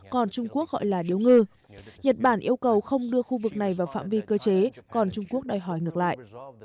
còn trung quốc gọi là điếu ngư nhật bản yêu cầu không đưa khu vực này vào phạm vi cơ chế còn trung quốc đòi hỏi ngược lại